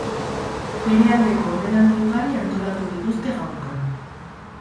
Bere aldeko omenaldi ugari antolatu dituzte gaurko.